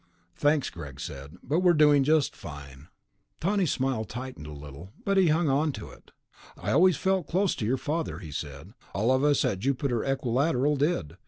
"Thanks," Greg said. "But we're doing just fine." Tawney's smile tightened a little, but he hung onto it. "I always felt close to your father," he said. "All of us at Jupiter Equilateral did.